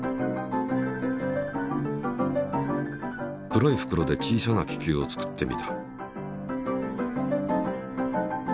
黒いふくろで小さな気球を作ってみた。